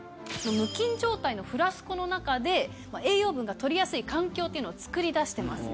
無菌状態のフラスコの中で栄養分が取りやすい環境というのをつくり出してます。